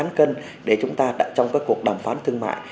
và những cán cân để chúng ta trong các cuộc đàm phán thương mại